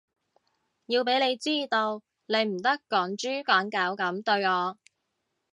要畀你知道，你唔得趕豬趕狗噉對我